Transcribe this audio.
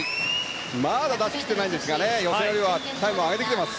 まだ出し切ってないんですが予選よりはタイムを上げてきています。